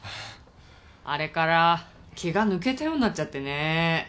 あれから気が抜けたようになっちゃってね。